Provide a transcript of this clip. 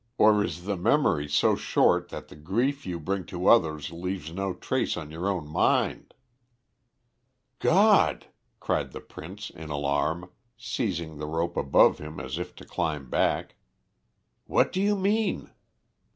Or is your memory so short that the grief you bring to others leaves no trace on your own mind?" "God!" cried the Prince in alarm, seizing the rope above him as if to climb back. "What do you mean?"